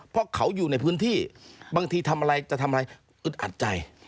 เพราะเขาอยู่ในพื้นที่บางทีทำอะไรจะทำอะไรอึดอัดใจ